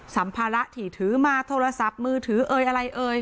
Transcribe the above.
สัมภาระถี่ถือมาโทรศัพท์มือถืออะไร